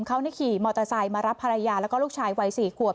เขาขี่มอเตอร์ไซค์มารับภรรยาแล้วก็ลูกชายวัย๔ขวบ